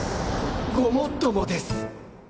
ごもっともです